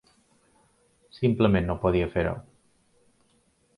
Simplement no podia fer-ho.